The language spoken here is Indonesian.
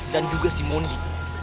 dan juga si mondi